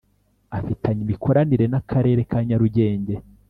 afitanye imikoranire n’akarere ka nyarugenge